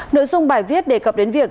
nội dung bài viết đề cập đến việc